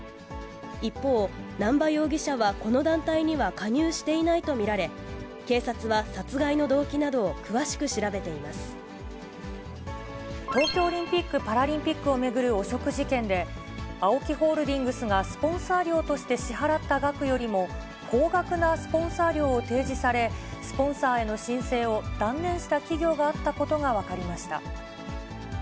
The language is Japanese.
一方、南波容疑者はこの団体には加入していないと見られ、警察は殺害の東京オリンピック・パラリンピックを巡る汚職事件で、ＡＯＫＩホールディングスが、スポンサー料として支払った額よりも、高額なスポンサー料を提示され、スポンサーへの申請を断念した企業があったことが分かりました。